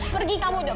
pergi kamu dok